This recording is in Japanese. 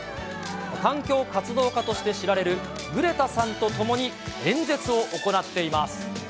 環境活動家として知られるグレタさんと共に、演説を行っています。